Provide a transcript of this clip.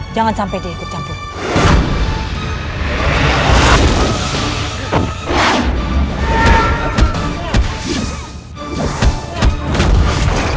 jangan sampai dia tercampur